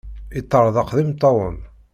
Yeṭṭerḍeq d imeṭṭawen.